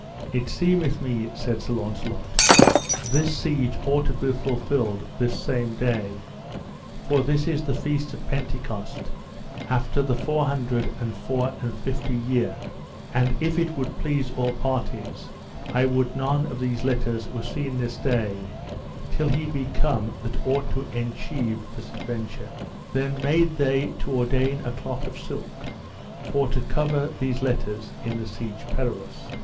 It seemeth me said Sir Launcelot, this siege ought to be fulfilled this same day, for this is the feast of Pentecost after the four hundred and four and fifty year; and if it would please all parties, I would none of these letters were seen this day, till he be come that ought to enchieve this adventure. Then made they to ordain a cloth of silk, for to cover these letters in the Siege Perilous.